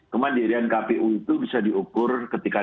kemandirian kpu itu bisa diukur ketika